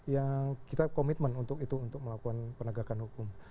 yang kita komitmen untuk itu untuk melakukan penegakan hukum